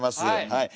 はい。